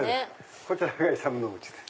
こちらがイサム・ノグチです。